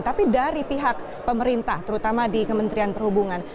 tapi dari pihak pemerintah terutama di kementerian perhubungan